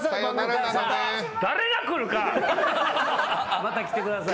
また来てください。